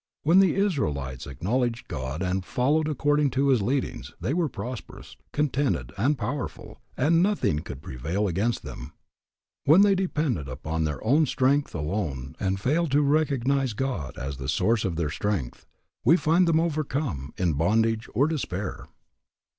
When the Israelites acknowledged God and followed according to His leadings they were prosperous, contented, and powerful, and nothing could prevail against them. When they depended upon their own strength alone and failed to recognize God as the source of their strength, we find them overcome, in bondage, or despair.